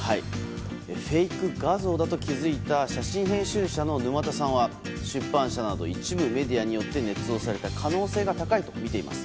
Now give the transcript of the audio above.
フェイク画像と気づいた写真編集者の沼田さんは出版社など一部メディアによってねつ造された可能性が高いとみています。